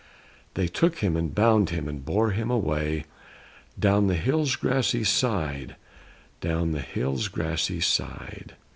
They took him and bound him and bore him away, Down the hill's grassy side; down the hill's grassy side.